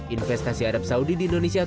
investasi arab saudi di indonesia